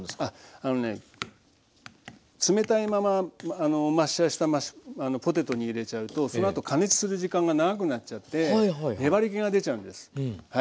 あのね冷たいままマッシャーしたポテトに入れちゃうとそのあと加熱する時間が長くなっちゃって粘りけが出ちゃうんですはい。